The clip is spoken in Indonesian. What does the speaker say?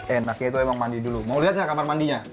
enaknya itu emang mandi dulu mau lihat nggak kamar mandinya